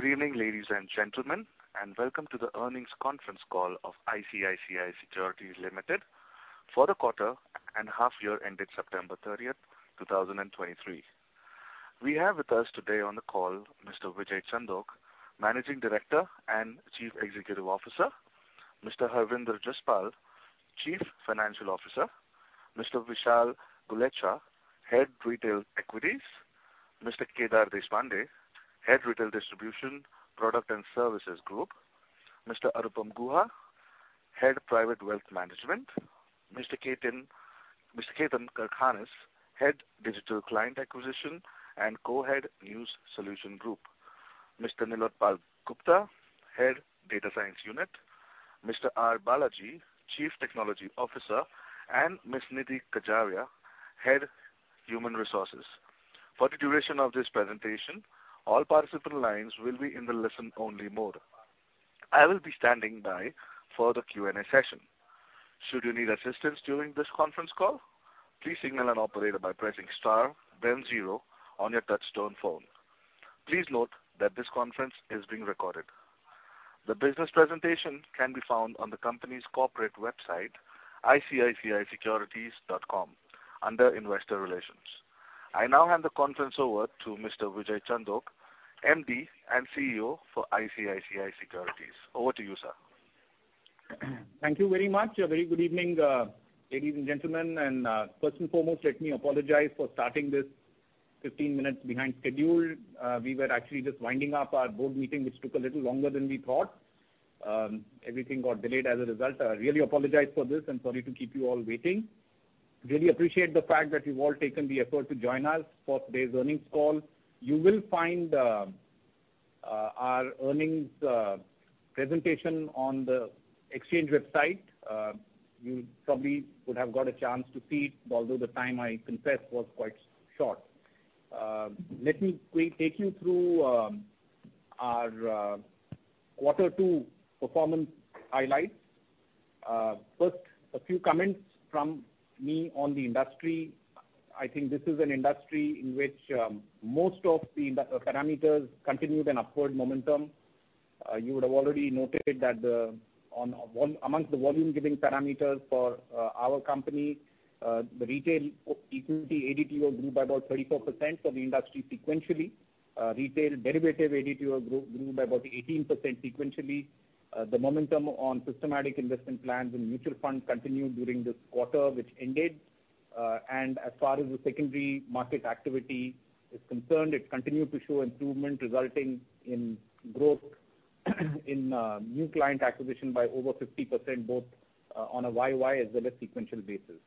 Good evening, ladies and gentlemen, and welcome to the earnings conference call of ICICI Securities Limited for the quarter and half year ended September 30th, 2023. We have with us today on the call Mr. Vijay Chandok, Managing Director and Chief Executive Officer. Mr. Harvinder Jaspal, Chief Financial Officer. Mr. Vishal Gulechha, Head Retail Equities. Mr. Kedar Deshpande, Head Retail Distribution, Product and Services Group. Mr. Anupam Guha, Head Private Wealth Management. Mr. Ketan, Mr. Ketan Karkhanis, Head Digital Client Acquisition and Co-Head News Solution Group. Mr. Nilotpal Gupta, Head Data Science Unit. Mr. R. Balaji, Chief Technology Officer. And Ms. Nidhi Kajaria, Head Human Resources. For the duration of this presentation, all participant lines will be in the listen-only mode. I will be standing by for the Q&A session. Should you need assistance during this conference call, please signal an operator by pressing star then zero on your touchtone phone. Please note that this conference is being recorded. The business presentation can be found on the company's corporate website, icicisecurities.com, under Investor Relations. I now hand the conference over to Mr. Vijay Chandok, MD and CEO for ICICI Securities. Over to you, sir. Thank you very much. A very good evening, ladies and gentlemen, and, first and foremost, let me apologize for starting this 15 minutes behind schedule. We were actually just winding up our board meeting, which took a little longer than we thought. Everything got delayed as a result. I really apologize for this and sorry to keep you all waiting. Really appreciate the fact that you've all taken the effort to join us for today's earnings call. You will find our earnings presentation on the exchange website. You probably would have got a chance to see it, although the time, I confess, was quite short. Let me quick take you through our quarter two performance highlights. First, a few comments from me on the industry. I think this is an industry in which most of the parameters continued an upward momentum. You would have already noted that the, on, on, amongst the volume-giving parameters for our company, the retail equity ADTO grew by about 34% from the industry sequentially. Retail derivative ADTO grew by about 18% sequentially. The momentum on systematic investment plans and mutual funds continued during this quarter, which ended. And as far as the secondary market activity is concerned, it continued to show improvement, resulting in growth in new client acquisition by over 50%, both on a YY as well as sequential basis.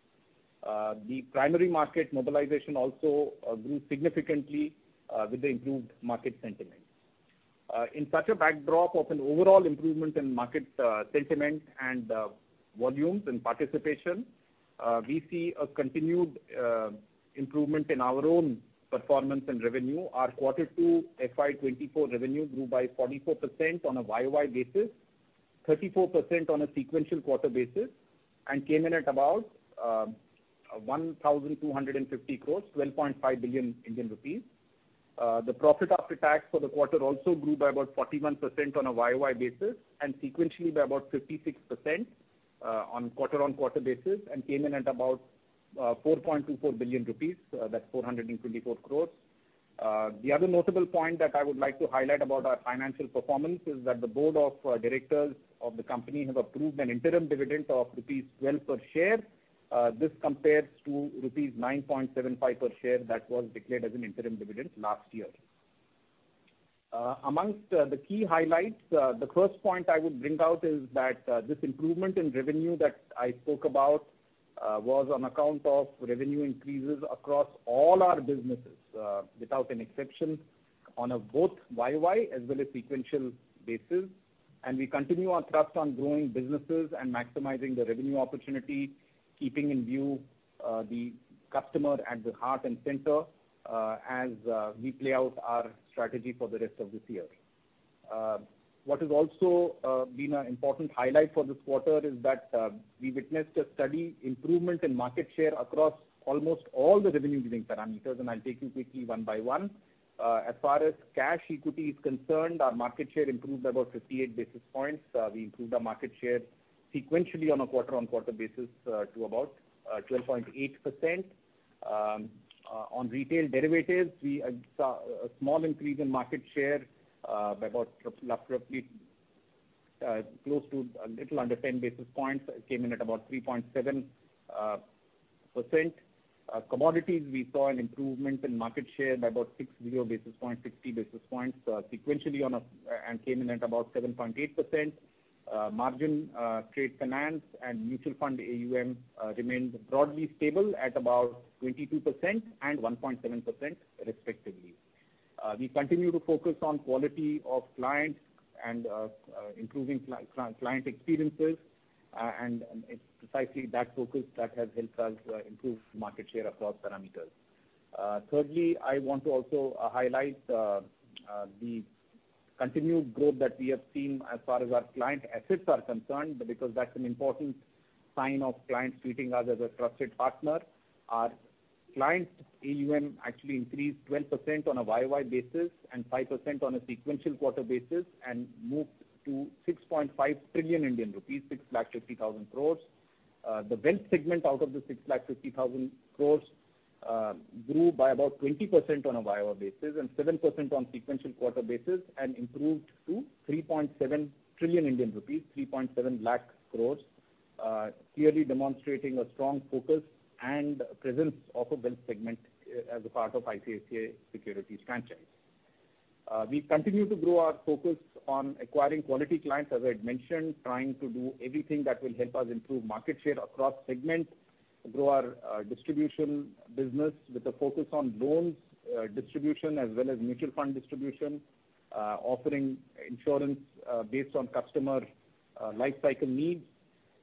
The primary market mobilization also grew significantly with the improved market sentiment. In such a backdrop of an overall improvement in market sentiment and volumes and participation, we see a continued improvement in our own performance and revenue. Our quarter 2 FY 2024 revenue grew by 44% on a YOY basis, 34% on a sequential quarter basis, and came in at about 1,250 crores, 12.5 billion Indian rupees. The profit after tax for the quarter also grew by about 41% on a YOY basis, and sequentially by about 56% on quarter-on-quarter basis, and came in at about 4.24 billion rupees, that's 424 crores. The other notable point that I would like to highlight about our financial performance is that the board of directors of the company have approved an interim dividend of rupees 12 per share. This compares to rupees 9.75 per share that was declared as an interim dividend last year. Amongst the key highlights, the first point I would bring out is that this improvement in revenue that I spoke about was on account of revenue increases across all our businesses without an exception, on a both YOY as well as sequential basis. And we continue our thrust on growing businesses and maximizing the revenue opportunity, keeping in view the customer at the heart and center as we play out our strategy for the rest of this year. What has also been an important highlight for this quarter is that we witnessed a steady improvement in market share across almost all the revenue-giving parameters, and I'll take you quickly one by one. As far as cash equity is concerned, our market share improved by about 58 basis points. We improved our market share sequentially on a quarter-on-quarter basis to about 12.8%. On retail derivatives, we saw a small increase in market share by about roughly close to a little under 10 basis points. It came in at about 3.7%. Commodities, we saw an improvement in market share by about 60 basis points sequentially on a and came in at about 7.8%. Margin trade finance and mutual fund AUM remained broadly stable at about 22% and 1.7% respectively. We continue to focus on quality of clients and improving client experiences, and it's precisely that focus that has helped us improve market share across parameters. Thirdly, I want to also highlight the continued growth that we have seen as far as our client assets are concerned, because that's an important sign of clients treating us as a trusted partner. Our clients AUM actually increased 12% on a YY basis and 5% on a sequential quarter basis, and moved to 6.5 trillion Indian rupees, 650,000 crore. The wealth segment out of the 650,000 crore, grew by about 20% on a YY basis and 7% on sequential quarter basis, and improved to 3.7 trillion Indian rupees, 370,000 crore, clearly demonstrating a strong focus and presence of a wealth segment, as a part of ICICI Securities franchise. We continue to grow our focus on acquiring quality clients, as I had mentioned, trying to do everything that will help us improve market share across segments, grow our, distribution business with a focus on loans, distribution, as well as mutual fund distribution, offering insurance, based on customer, life cycle needs.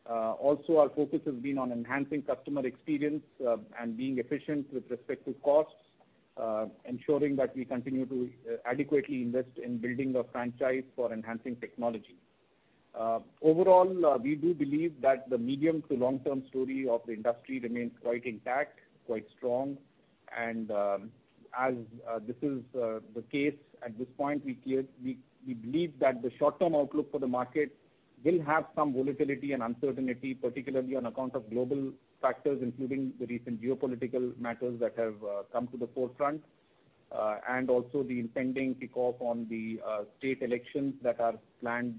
Also our focus has been on enhancing customer experience, and being efficient with respect to costs, ensuring that we continue to adequately invest in building the franchise for enhancing technology. Overall, we do believe that the medium to long-term story of the industry remains quite intact, quite strong, and as this is the case at this point, we believe that the short-term outlook for the market will have some volatility and uncertainty, particularly on account of global factors, including the recent geopolitical matters that have come to the forefront, and also the impending kickoff on the state elections that are planned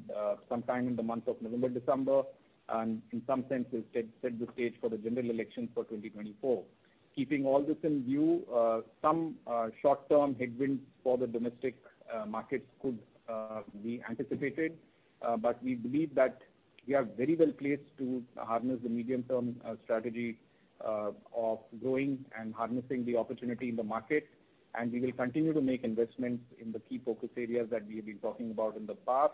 sometime in the month of November, December, and in some senses, set the stage for the general elections for 2024. Keeping all this in view, some short-term headwinds for the domestic markets could be anticipated. But we believe that we are very well placed to harness the medium-term strategy of growing and harnessing the opportunity in the market. And we will continue to make investments in the key focus areas that we have been talking about in the past.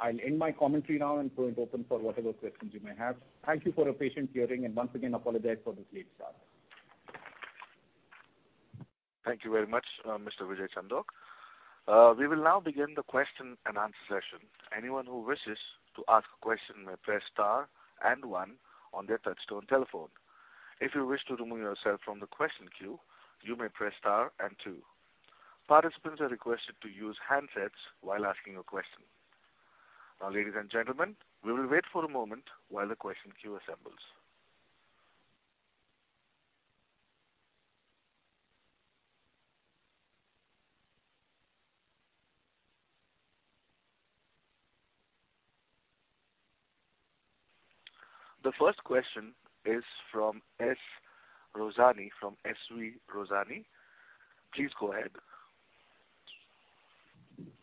I'll end my commentary now and go and open for whatever questions you may have. Thank you for your patient hearing, and once again, apologize for this late start. Thank you very much, Mr. Vijay Chandok. We will now begin the question and answer session. Anyone who wishes to ask a question may press star and one on their touchtone telephone. If you wish to remove yourself from the question queue, you may press star and two. Participants are requested to use handsets while asking a question. Now, ladies and gentlemen, we will wait for a moment while the question queue assembles. The first question is from S. Rosani, from SV Rosani. Please go ahead.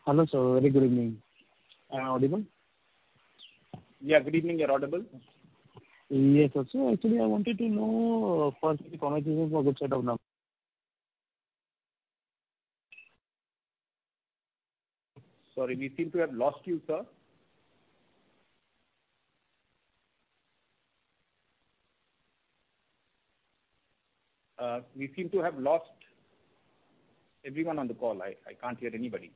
Hello, sir. Very good evening. Am I audible? Yeah, good evening. You're audible. Yes, sir. So actually, I wanted to know, first, the competition for the set of numbers. Sorry, we seem to have lost you, sir. We seem to have lost everyone on the call. I, I can't hear anybody.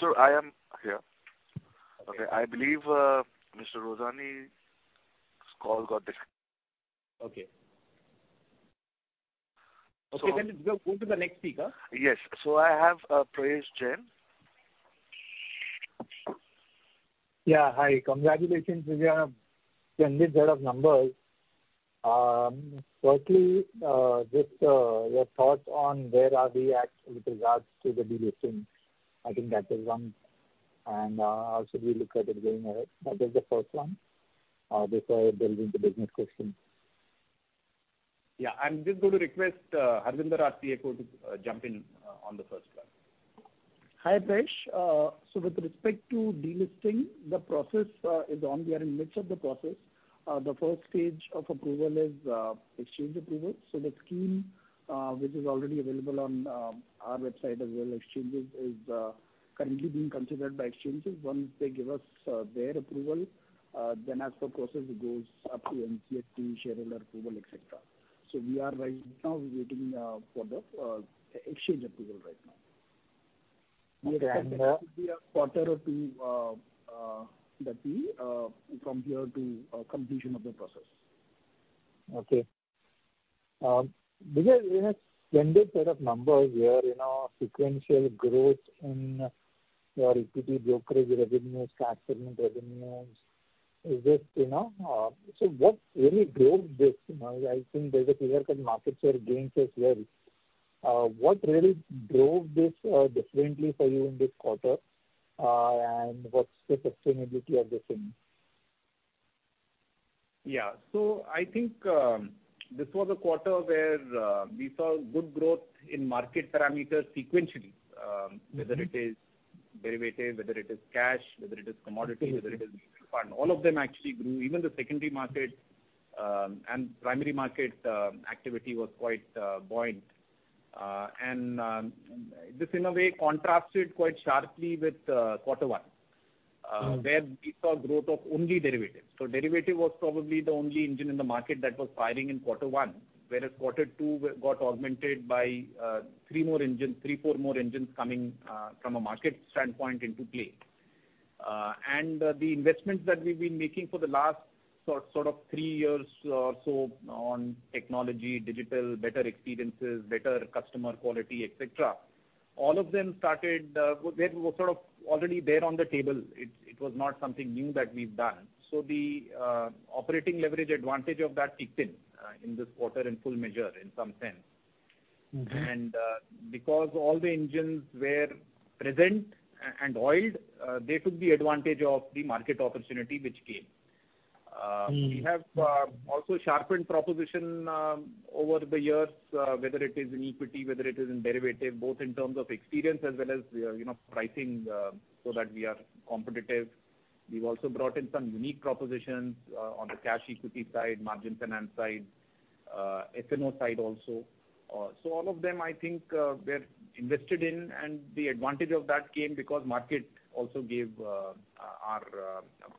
Sir, I am here. Okay. Okay, I believe, Mr. Rosani's call got dis- Okay. So- Okay, then we'll go to the next speaker. Yes. So I have, Pravesh Jain. Yeah, hi. Congratulations on your splendid set of numbers. Firstly, just your thoughts on where are we at with regards to the delisting? I think that is one. And how should we look at it going ahead? That is the first one before delving into business questions. Yeah, I'm just going to request Harvinder, our CFO, to jump in on the first one. Hi, Pravesh. So with respect to delisting, the process is on. We are in midst of the process. The first stage of approval is exchange approval. So the scheme, which is already available on our website as well, exchanges is currently being considered by exchanges. Once they give us their approval, then as the process goes up to NCLT, shareholder approval, et cetera. So we are right now waiting for the exchange approval right now. And, uh- It could be a quarter or two, that we, from here to, completion of the process. Okay. Because in a splendid set of numbers where, you know, sequential growth in your equity brokerage revenues, cash segment revenues, is this, you know. So what really drove this? You know, I think there's a clear cut market share gains as well. What really drove this, differently for you in this quarter, and what's the sustainability of the same? Yeah. So I think, this was a quarter where, we saw good growth in market parameters sequentially, Mm-hmm. - whether it is derivative, whether it is cash, whether it is commodity- Mm-hmm. - whether it is mutual fund. All of them actually grew. Even the secondary market and primary market activity was quite buoyant. And this, in a way, contrasted quite sharply with quarter one- Mm. Where we saw growth of only derivatives. So derivative was probably the only engine in the market that was firing in quarter one, whereas quarter two got augmented by three more engines, three, four more engines coming from a market standpoint into play. And the investments that we've been making for the last sort of three years or so on technology, digital, better experiences, better customer quality, et cetera, all of them were sort of already there on the table. It was not something new that we've done. So the operating leverage advantage of that kicked in in this quarter in full measure, in some sense. Mm-hmm. Because all the engines were present and oiled, they took the advantage of the market opportunity which came. Mm. We have also sharpened proposition over the years, whether it is in equity, whether it is in derivative, both in terms of experience as well as, you know, pricing, so that we are competitive. We've also brought in some unique propositions on the cash equity side, margin finance side, FNO side also. So all of them, I think, were invested in, and the advantage of that came because market also gave our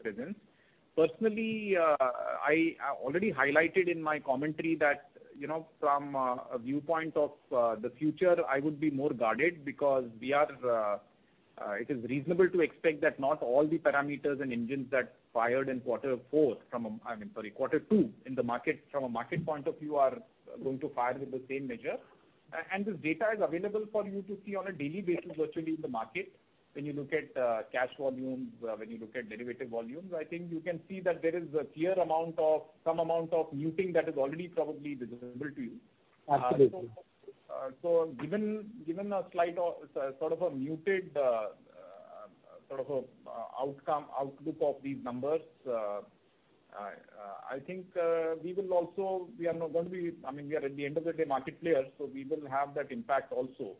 presence. Personally, I already highlighted in my commentary that, you know, from a viewpoint of the future, I would be more guarded because we are, it is reasonable to expect that not all the parameters and engines that fired in quarter four from a... I mean, sorry, quarter two in the market, from a market point of view, are going to fire with the same measure. And this data is available for you to see on a daily basis, virtually in the market. When you look at cash volumes, when you look at derivative volumes, I think you can see that there is a clear amount of, some amount of muting that is already probably visible to you. Absolutely. So given a slight or sort of a muted sort of outcome, outlook of these numbers, I think we will also, we are not going to be—I mean, we are at the end of the day, market players, so we will have that impact also.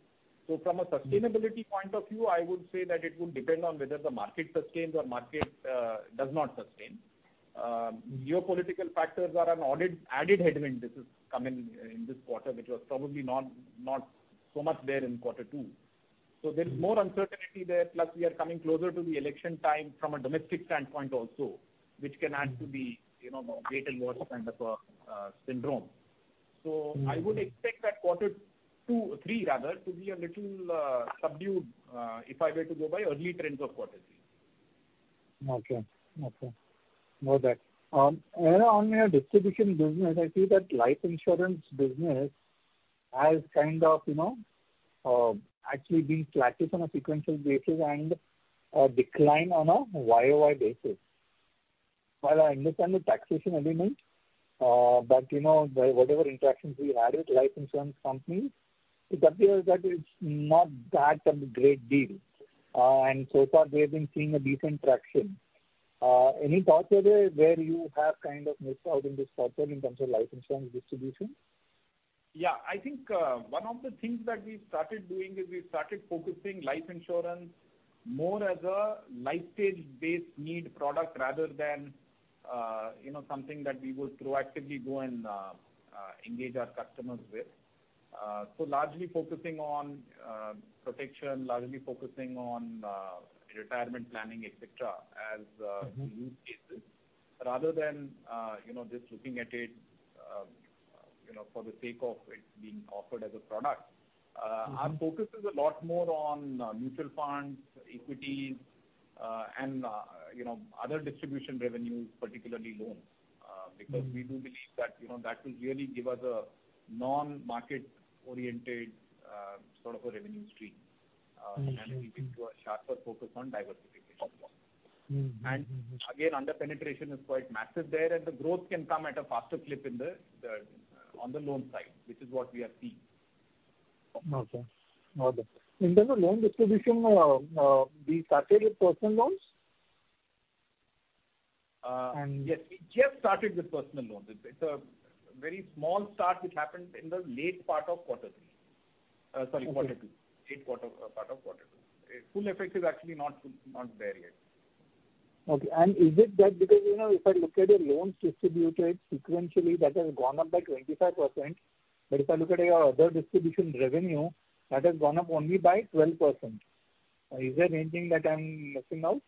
So from a sustainability point of view, I would say that it would depend on whether the market sustains or market does not sustain. Geopolitical factors are an added headwind. This is coming in this quarter, which was probably not so much there in quarter two. Mm. There is more uncertainty there, plus we are coming closer to the election time from a domestic standpoint also, which can add to the, you know, wait and watch kind of syndrome. Mm. So I would expect that quarter two, three rather, to be a little subdued, if I were to go by early trends of quarter three. Okay. Okay. Got that. On your distribution business, I see that life insurance business has kind of, you know, actually been flattish on a sequential basis and a decline on a YOY basis. While I understand the taxation element, but you know, the, whatever interactions we had with life insurance companies, it appears that it's not that a great deal. And so far we have been seeing a decent traction. Any thoughts where, where you have kind of missed out in this quarter in terms of life insurance distribution? Yeah. I think one of the things that we started doing is we started focusing life insurance more as a life stage-based need product rather than, you know, something that we would proactively go and engage our customers with. So largely focusing on protection, largely focusing on retirement planning, et cetera, as- Mm-hmm... use cases, rather than, you know, just looking at it, you know, for the sake of it being offered as a product. Mm-hmm. Our focus is a lot more on mutual funds, equities, and you know, other distribution revenues, particularly loans. Mm. Because we do believe that, you know, that will really give us a non-market-oriented, sort of a revenue stream. Mm-hmm. We give a sharper focus on diversification. Mm-hmm. And again, under-penetration is quite massive there, and the growth can come at a faster clip in the on the loan side, which is what we are seeing. Okay. Got it. In terms of loan distribution, we started with personal loans? And- Yes, we just started with personal loans. It's a very small start, which happened in the late part of quarter three. Sorry- Okay... quarter two. Late quarter, part of quarter two. Full effect is actually not, not there yet. Okay. Is it that because, you know, if I look at your loans distributed sequentially, that has gone up by 25%, but if I look at your other distribution revenue, that has gone up only by 12%. Is there anything that I'm missing out?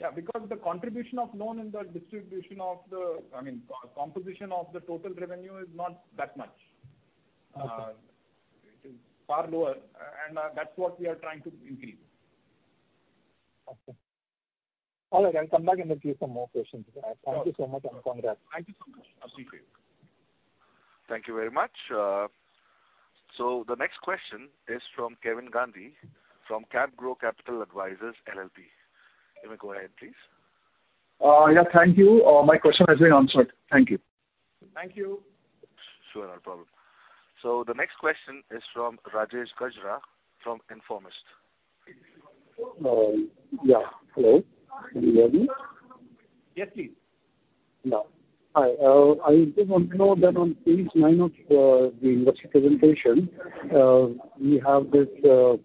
Yeah, because the contribution of loan in the distribution of the... I mean, composition of the total revenue is not that much. Uh. It is far lower, and that's what we are trying to increase. Okay. All right, I'll come back and ask you some more questions. Sure. Thank you so much, and congrats. Thank you so much. I'll see you. Thank you very much. So the next question is from Kevin Gandhi, from CapGrow Capital Advisors LLP. You may go ahead, please. Yeah, thank you. My question has been answered. Thank you. Thank you. Sure, no problem. So the next question is from Rajesh Gajra, from Informist. Yeah. Hello, can you hear me? Yes, please. Yeah. Hi, I just want to know that on page nine of the investor presentation, we have this retail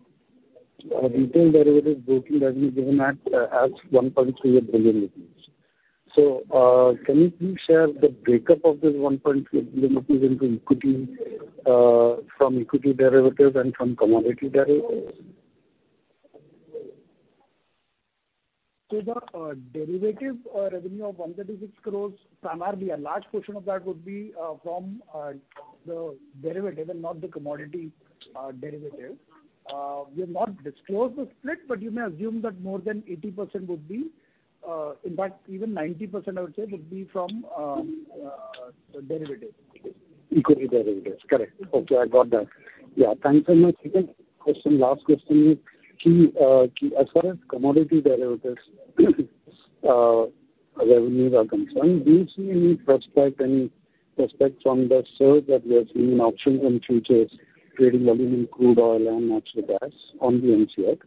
derivative booking that we've given at as 1.38 billion rupees. So, can you please share the breakup of this 1.38 billion rupees into equity, from equity derivatives and from commodity derivatives?... So the derivative revenue of 136 crore, primarily a large portion of that would be from the derivative and not the commodity derivative. We have not disclosed the split, but you may assume that more than 80% would be, in fact even 90% I would say, would be from derivative. Equity derivatives. Correct. Okay, I got that. Yeah, thank you very much. Second question, last question is key, key, as far as commodity derivatives revenues are concerned, do you see any prospect from the sales that we are seeing in options and futures trading volume in crude oil and natural gas on the MCX?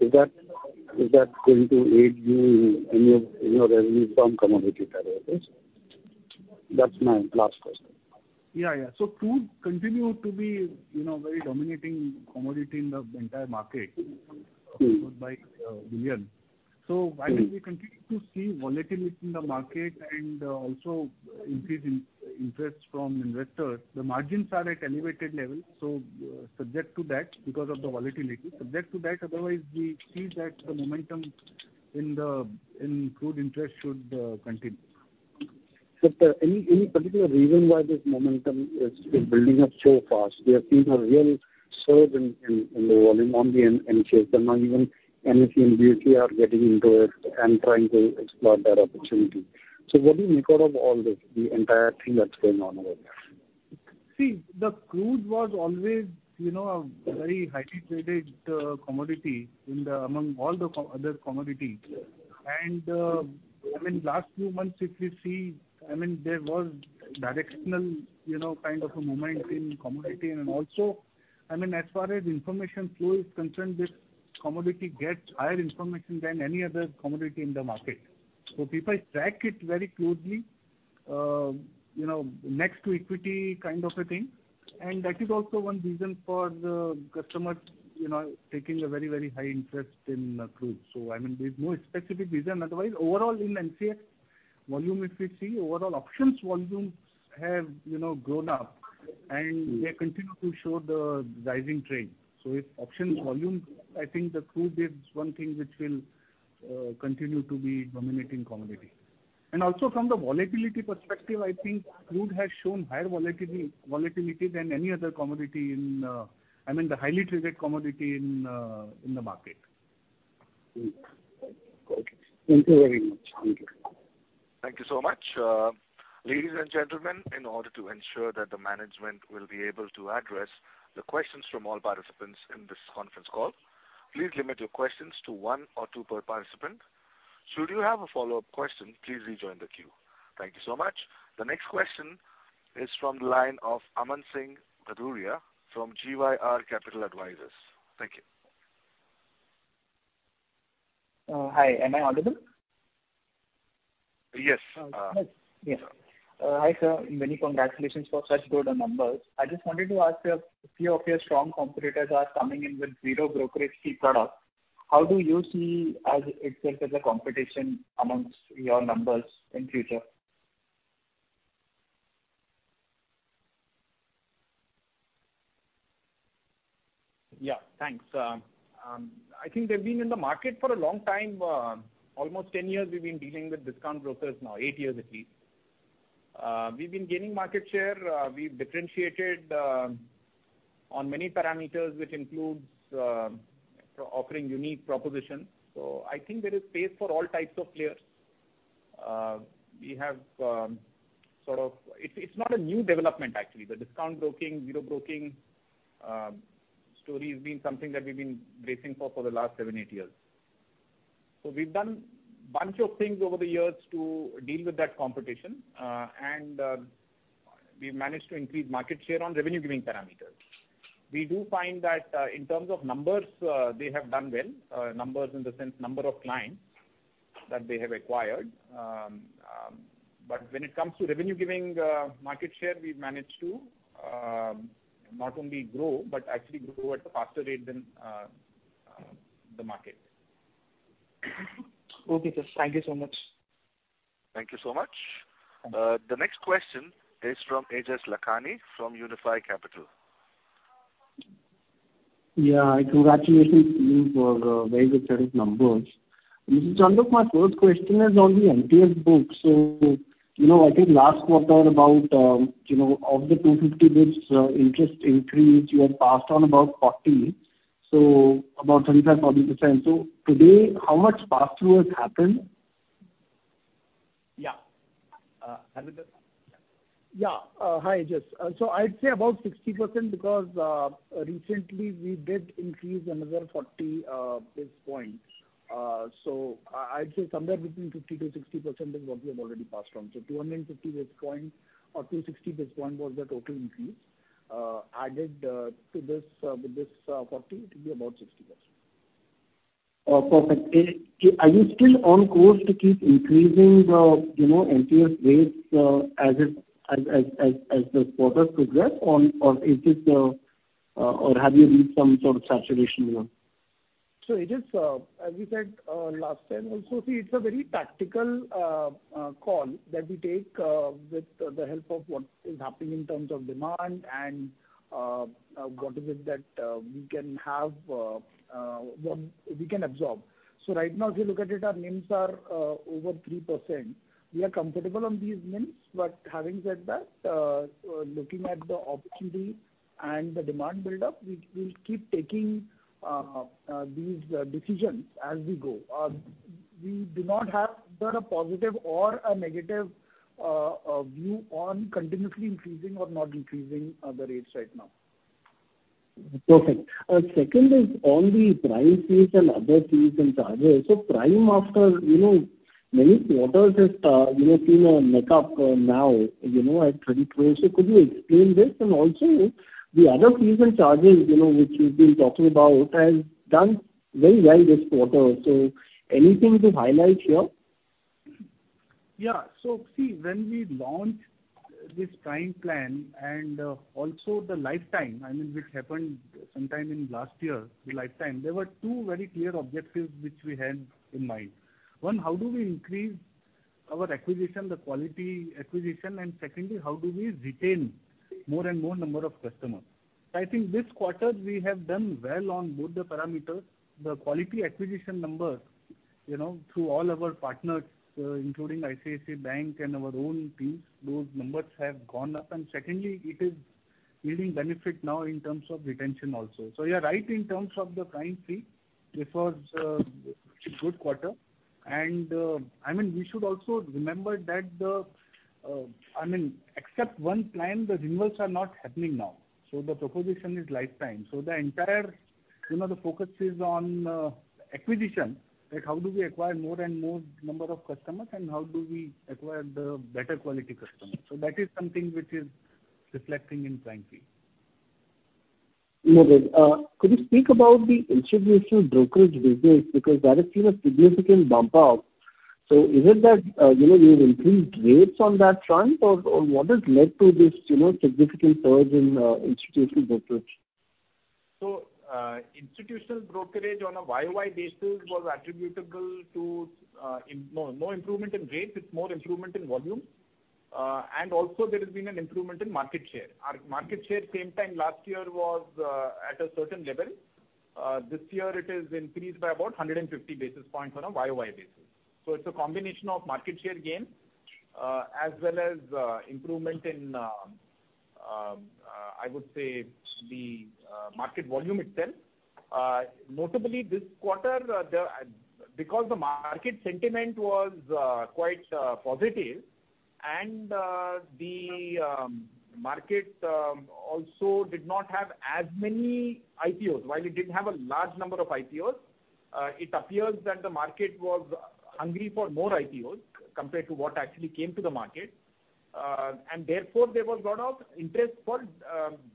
Is that going to aid you in your revenue from commodity derivatives? That's my last question. Yeah, yeah. So crude continue to be, you know, very dominating commodity in the entire market. Mm. By billion. So while we continue to see volatility in the market and, also increase in interest from investors, the margins are at elevated levels, so subject to that, because of the volatility, subject to that, otherwise we see that the momentum in crude interest should continue. But, any particular reason why this momentum is building up so fast? We are seeing a real surge in the volume on the MCX, but now even NSE and BSE are getting into it and trying to explore that opportunity. So what do you make out of all this, the entire thing that's going on over there? See, the crude was always, you know, a very highly traded commodity among all the other commodities. And, I mean, last few months, if you see, I mean, there was directional, you know, kind of a moment in commodity. And also, I mean, as far as information flow is concerned, this commodity gets higher information than any other commodity in the market. So people track it very closely, you know, next to equity kind of a thing. And that is also one reason for the customers, you know, taking a very, very high interest in crude. So I mean, there's no specific reason, otherwise, overall in MCX volume, if you see, overall options volumes have, you know, grown up, and they continue to show the rising trend. So if options volume, I think the crude is one thing which will continue to be dominating commodity. And also from the volatility perspective, I think crude has shown higher volatility than any other commodity in, I mean, the highly traded commodity in the market. Got it. Thank you very much. Thank you. Thank you so much. Ladies and gentlemen, in order to ensure that the management will be able to address the questions from all participants in this conference call, please limit your questions to one or two per participant. Should you have a follow-up question, please rejoin the queue. Thank you so much. The next question is from the line of Aman Singh Gadhuria from GYR Capital Advisors. Thank you. Hi, am I audible? Yes. Uh. Yes. Hi, sir. Many congratulations for such good numbers. I just wanted to ask you, a few of your strong competitors are coming in with zero brokerage fee products. How do you see as it affects the competition among your numbers in future? Yeah, thanks. I think they've been in the market for a long time, almost 10 years we've been dealing with discount brokers now, eight years at least. We've been gaining market share, we've differentiated on many parameters, which includes offering unique propositions. So I think there is space for all types of players. We have sort of... It's, it's not a new development, actually. The discount broking, zero broking story has been something that we've been bracing for, for the last 7 years-8 years. So we've done bunch of things over the years to deal with that competition, and we've managed to increase market share on revenue-giving parameters. We do find that in terms of numbers they have done well, numbers in the sense number of clients that they have acquired. But when it comes to revenue-giving market share, we've managed to not only grow, but actually grow at a faster rate than the market. Okay, sir. Thank you so much. Thank you so much. Thank you. The next question is from Aejas Lakhani, from Unifi Capital. Yeah, congratulations to you for very good set of numbers. Mr. Chandok, my first question is on the MTF books. So, you know, I think last quarter about, you know, of the 250 basis points, interest increase, you had passed on about 40, so about 35%-40%. So today, how much pass-through has happened? Yeah. Hi, Ajay. So I'd say about 60%, because recently we did increase another 40 basis points. So I'd say somewhere between 50%-60% is what we have already passed on. So 250 basis points or 260 basis points was the total increase added to this with this 40, it will be about 60%. Perfect. Are you still on course to keep increasing the, you know, MTF rates, as the quarters progress? Or is this, or have you reached some sort of saturation level? ...So it is, as we said, last time also, see, it's a very tactical, call that we take, with the help of what is happening in terms of demand and, what is it that, we can have, what we can absorb. So right now, if you look at it, our NIMs are, over 3%. We are comfortable on these NIMs, but having said that, looking at the opportunity and the demand buildup, we, we'll keep taking, these, decisions as we go. We do not have either a positive or a negative, view on continuously increasing or not increasing, the rates right now. Perfect. Second is on the price fees and other fees and charges. So Prime after, you know, many quarters has, you know, seen a make up, now, you know, at 22. So could you explain this? And also, the other fees and charges, you know, which you've been talking about, has done very well this quarter. So anything to highlight here? Yeah. So see, when we launched this Prime plan and also the Lifetime, I mean, which happened sometime in last year, the Lifetime, there were two very clear objectives which we had in mind. One, how do we increase our acquisition, the quality acquisition? And secondly, how do we retain more and more number of customers? I think this quarter we have done well on both the parameters. The quality acquisition numbers, you know, through all our partners, including ICICI Bank and our own teams, those numbers have gone up. And secondly, it is yielding benefit now in terms of retention also. So you are right in terms of the Prime fee. It was a good quarter. And, I mean, we should also remember that the, I mean, except one plan, the renewals are not happening now. So the proposition is Lifetime. The entire, you know, the focus is on, acquisition and how do we acquire more and more number of customers, and how do we acquire the better quality customers. That is something which is reflecting in Prime fee. Noted. Could you speak about the institutional brokerage business? Because that has seen a significant bump up. So is it that, you know, you've increased rates on that front, or what has led to this, you know, significant surge in institutional brokerage? So, institutional brokerage on a YOY basis was attributable to no improvement in rates, it's more improvement in volume. Also there has been an improvement in market share. Our market share same time last year was at a certain level. This year it is increased by about 150 basis points on a YOY basis. So it's a combination of market share gains, as well as, improvement in, I would say, the market volume itself. Notably this quarter, because the market sentiment was quite positive, and the market also did not have as many IPOs. While it did have a large number of IPOs, it appears that the market was hungry for more IPOs compared to what actually came to the market. And therefore, there was a lot of interest for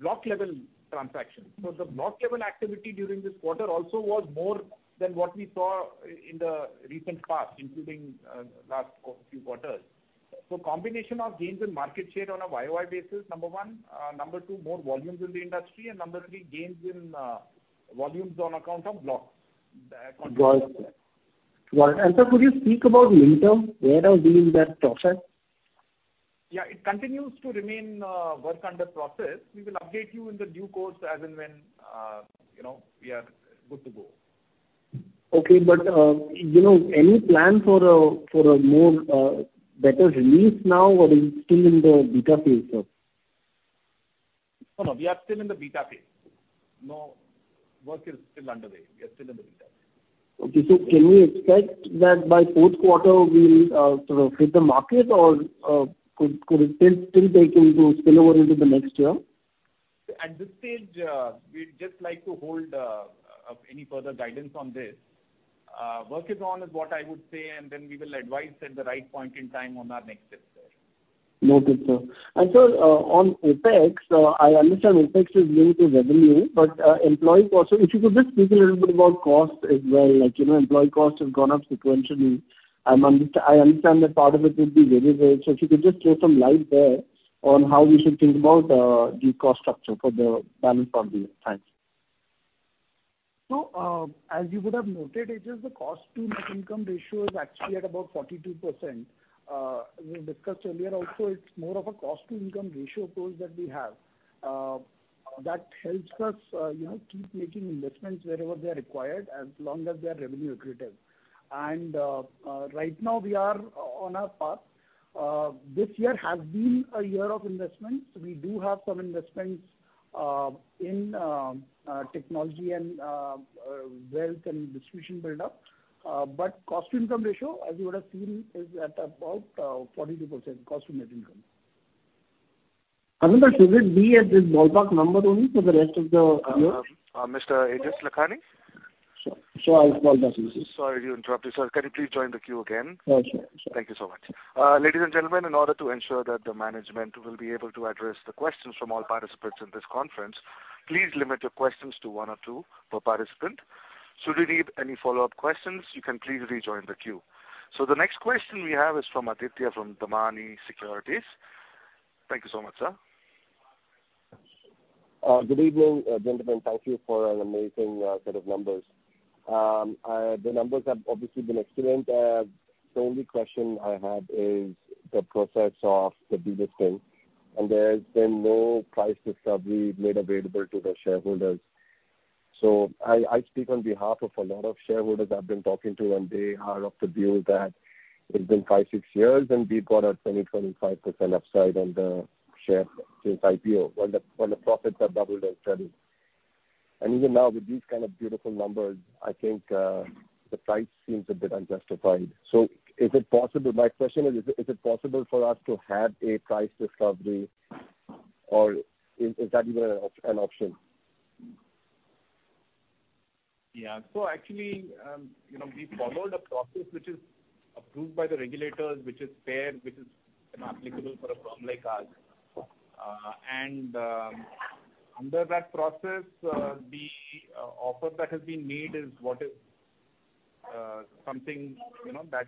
block-level transactions. So the block-level activity during this quarter also was more than what we saw in the recent past, including last few quarters. So combination of gains in market share on a YOY basis, number one. Number two, more volumes in the industry, and number three, gains in volumes on account of blocks. Got it. Got it. And sir, could you speak about [Lintel], where are we in that process? Yeah, it continues to remain, work under process. We will update you in the due course as and when, you know, we are good to go. Okay. But, you know, any plan for a more, better release now, or is it still in the beta phase, sir? No, no, we are still in the beta phase. No, work is still underway. We are still in the beta. Okay. So can we expect that by fourth quarter we'll sort of hit the market, or could it still take into spill over into the next year? At this stage, we'd just like to hold any further guidance on this. Work is on, is what I would say, and then we will advise at the right point in time on our next steps there. Noted, sir. And sir, on OpEx, I understand OpEx is linked to revenue, but employees also. If you could just speak a little bit about cost as well, like, you know, employee costs have gone up sequentially. I understand that part of it would be revenue-based. So if you could just shed some light there on how we should think about the cost structure for the balance of the year. Thanks. So, as you would have noted, it is the cost to net income ratio is actually at about 42%. We discussed earlier also, it's more of a cost to income ratio approach that we have. That helps us, you know, keep making investments wherever they are required, as long as they are revenue accretive. And, right now we are on our path. This year has been a year of investments. We do have some investments in technology and wealth and distribution build up. But cost to income ratio, as you would have seen, is at about 42%, cost to net income. I mean, sir, should it be at this ballpark number only for the rest of the year? Mr. Aejas Lakhani? Sure. Sure, I'll ballpark this. Sorry to interrupt you, sir. Can you please join the queue again? Sure, sure, sure. Thank you so much. Ladies and gentlemen, in order to ensure that the management will be able to address the questions from all participants in this conference, please limit your questions to one or two per participant. Should you need any follow-up questions, you can please rejoin the queue. So the next question we have is from Aditya from Damani Securities. Thank you so much, sir.... Good evening, gentlemen. Thank you for an amazing set of numbers. The numbers have obviously been excellent. The only question I had is the process of the delisting, and there's been no price discovery made available to the shareholders. So I speak on behalf of a lot of shareholders I've been talking to, and they are of the view that it's been 5 years-6 years, and we've got a 20%-25% upside on the share since IPO, when the profits are doubled and steady. Even now, with these kind of beautiful numbers, I think, the price seems a bit unjustified. So is it possible, my question is, is it possible for us to have a price discovery, or is that even an option? Yeah. So actually, you know, we followed a process which is approved by the regulators, which is fair, which is, you know, applicable for a firm like ours. And, under that process, the offer that has been made is what is something, you know, that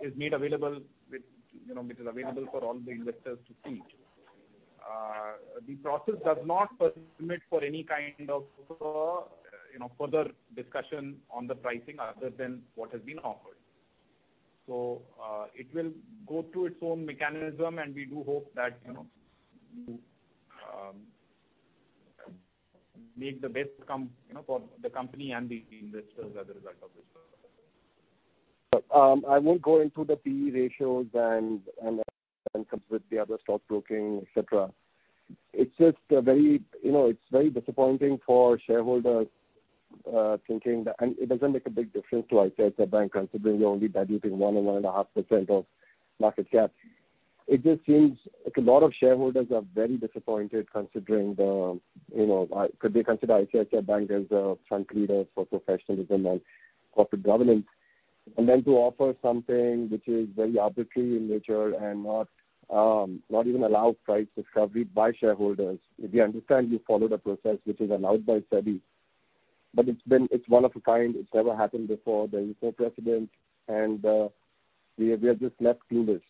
is made available with, you know, which is available for all the investors to see. The process does not permit for any kind of, you know, further discussion on the pricing other than what has been offered. So, it will go through its own mechanism, and we do hope that, you know, make the best come, you know, for the company and the investors as a result of this. I won't go into the PE ratios and compare with the other stockbroking, et cetera. It's just a very, you know, it's very disappointing for shareholders, thinking that... It doesn't make a big difference to ICICI Bank, considering you're only diluting 1%-1.5% of market cap. It just seems like a lot of shareholders are very disappointed, considering the, you know, like, because they consider ICICI Bank as a front leader for professionalism and corporate governance. Then to offer something which is very arbitrary in nature and not even allow price discovery by shareholders. We understand you followed a process which is allowed by SEBI, but it's one of a kind. It's never happened before. There is no precedent, and we are, we are just left clueless,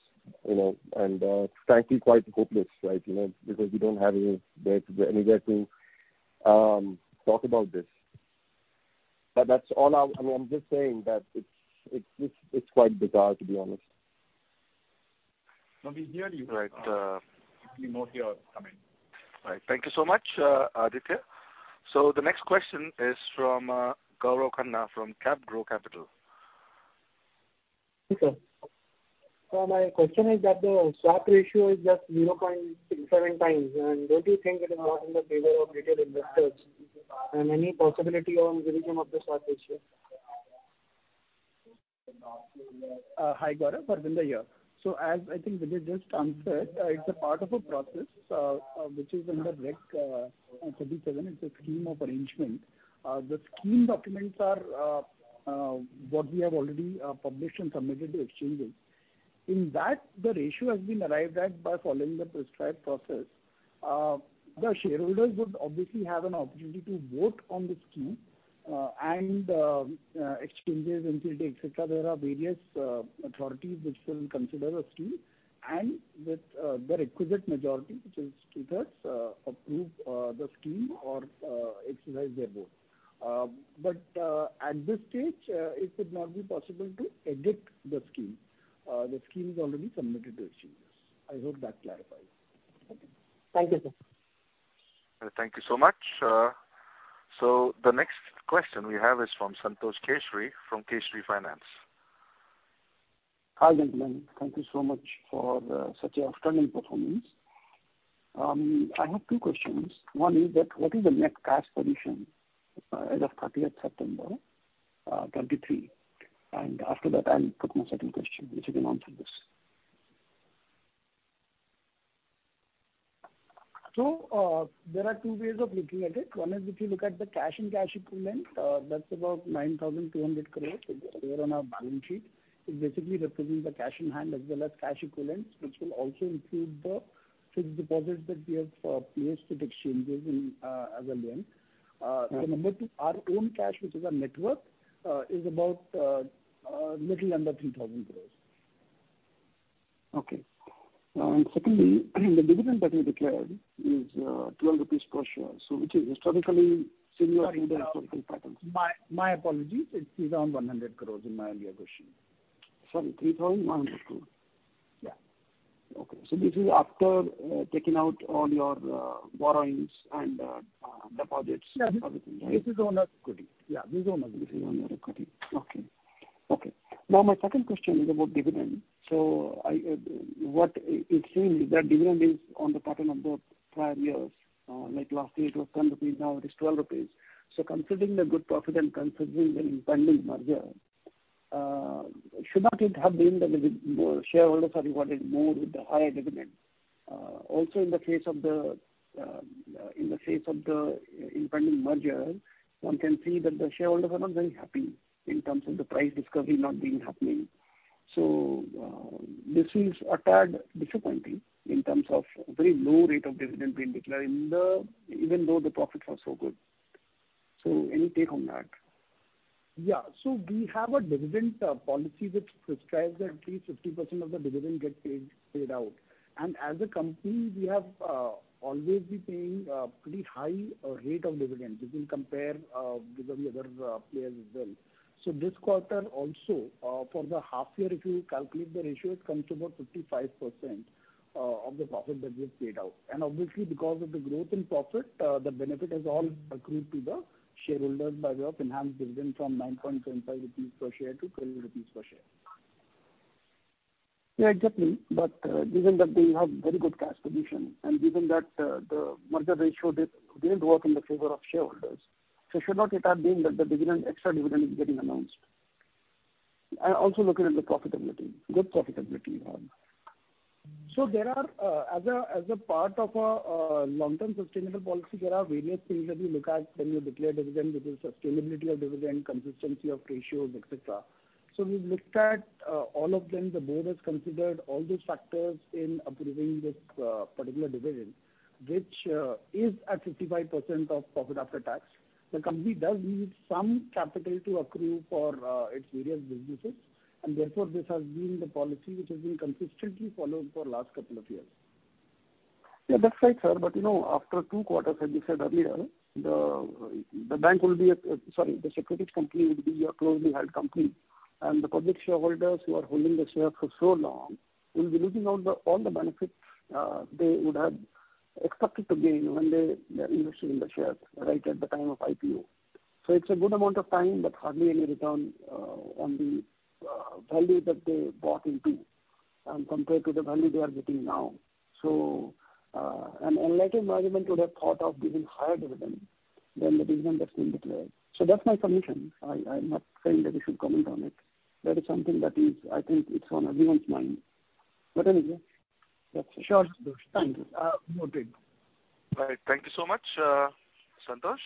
you know, and frankly, quite hopeless, right? You know, because we don't have any way to, anywhere to, talk about this. But that's all I... I'm, I'm just saying that it's, it's, it's, it's quite bizarre, to be honest. No, we hear you. Right, uh. We note your comment. Right. Thank you so much, Aditya. So the next question is from Gaurav Khanna from Capgrow Capital. Okay. So my question is that the swap ratio is just 0.67x, and don't you think it is not in the favor of retail investors? And any possibility of raising of the swap ratio? Hi, Gaurav. Harvinder here. So as I think Vijay just answered, it's a part of a process, which is under Reg. 37. It's a scheme of arrangement. The scheme documents are what we have already published and submitted to exchanges. In that, the ratio has been arrived at by following the prescribed process. The shareholders would obviously have an opportunity to vote on the scheme, and exchanges, NCLT, et cetera, there are various authorities which will consider the scheme and with the requisite majority, which is to just approve the scheme or exercise their vote. But at this stage, it would not be possible to edit the scheme. The scheme is already submitted to exchanges. I hope that clarifies. Thank you, sir. Thank you so much. So the next question we have is from Santosh Kesari, from Kesari Finance. Hi, gentlemen. Thank you so much for such a stunning performance. I have two questions. One is that, what is the net cash position as of 30th September 2023? And after that, I'll put my second question, if you can answer this. So, there are two ways of looking at it. One is, if you look at the cash and cash equivalent, that's about 9,200 crore over on our balance sheet. It basically represents the cash in hand as well as cash equivalents, which will also include the fixed deposits that we have placed with exchanges in as a lien. Right. Number two, our own cash, which is our net worth, is about little under 3,000 crore. Okay. Secondly, the dividend that you declared is 12 rupees per share, so which is historically similar to the historical patterns. My, my apologies. It is around 100 crore in my earlier question. Sorry, 3,100 crore? Yeah. Okay. So this is after taking out all your deposits and everything, right? Yes, this is on our equity. Yeah, this is on our equity. This is on your equity. Okay. Okay. Now, my second question is about dividend. So I, what it, it seems that dividend is on the pattern of the prior years. Like last year it was 10 rupees, now it is 12 rupees. So considering the good profit and considering the impending merger, should not it have been that the, more shareholders are rewarded more with the higher dividend? Also in the case of the, in the face of the impending merger, one can see that the shareholders are not very happy in terms of the price discovery not being happening. So, this is a tad disappointing in terms of very low rate of dividend being declared in the... even though the profits are so good. So any take on that?... Yeah, so we have a dividend policy that prescribes that at least 50% of the dividend get paid out. And as a company, we have always been paying pretty high rate of dividend, which will compare with the other players as well. So this quarter also, for the half year, if you calculate the ratio, it comes to about 55% of the profit that we have paid out. And obviously, because of the growth in profit, the benefit has all accrued to the shareholders by way of enhanced dividend from 9.25 rupees per share to 12 rupees per share. Yeah, exactly. But, given that we have very good cash position, and given that, the merger ratio did, didn't work in the favor of shareholders, so should not it have been that the dividend, extra dividend is getting announced? I also looking at the profitability, good profitability you have. So there are, as a, as a part of a, long-term sustainable policy, there are various things that we look at when we declare dividend, which is sustainability of dividend, consistency of ratios, et cetera. So we've looked at, all of them. The board has considered all those factors in approving this, particular dividend, which, is at 55% of profit after tax. The company does need some capital to accrue for, its various businesses, and therefore, this has been the policy which has been consistently followed for last couple of years. Yeah, that's right, sir. But, you know, after two quarters, as you said earlier, the bank will be a... Sorry, the securities company will be a closely held company, and the public shareholders who are holding the share for so long will be missing out on the benefit they would have expected to gain when they invested in the shares right at the time of IPO. So it's a good amount of time, but hardly any return on the value that they bought into, compared to the value they are getting now. So, and unlike a management would have thought of giving higher dividend than the dividend that's been declared. So that's my assumption. I'm not saying that you should comment on it. That is something that is, I think it's on everyone's mind. But anyway, that's it. Sure, Santosh. Thank you. No big. All right. Thank you so much, Santosh.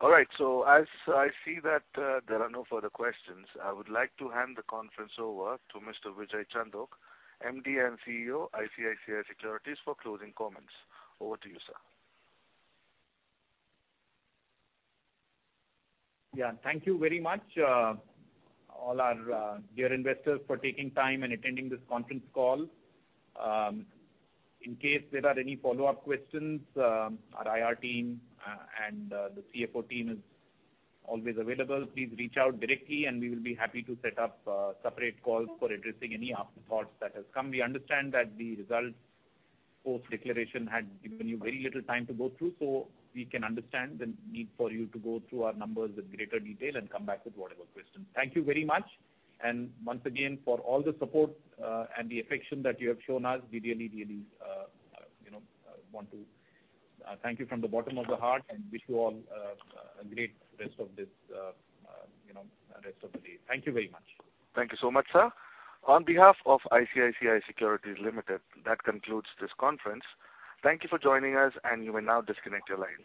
All right, so as I see that, there are no further questions, I would like to hand the conference over to Mr. Vijay Chandok, MD and CEO, ICICI Securities, for closing comments. Over to you, sir. Yeah. Thank you very much, all our dear investors, for taking time and attending this conference call. In case there are any follow-up questions, our IR team and the CFO team is always available. Please reach out directly, and we will be happy to set up separate calls for addressing any afterthoughts that has come. We understand that the results post-declaration had given you very little time to go through, so we can understand the need for you to go through our numbers in greater detail and come back with whatever questions. Thank you very much. Once again, for all the support and the affection that you have shown us, we really, really, you know, want to thank you from the bottom of the heart and wish you all, you know, rest of the day. Thank you very much. Thank you so much, sir. On behalf of ICICI Securities Limited, that concludes this conference. Thank you for joining us, and you may now disconnect your lines.